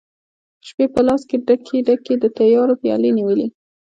شپي په لاس کې ډکي، ډکي، د تیارو پیالې نیولي